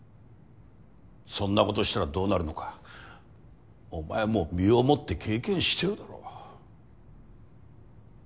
そんなことしたらどうなるのかお前も身をもって経験してるだろ。